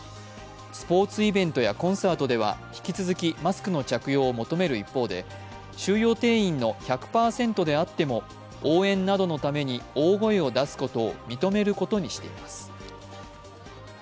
スポーツイベントやコンサートでは引き続きマスクの着用を求める一方で収容定員の１００％であっても応援などのために大声を出すことを認めることにしています。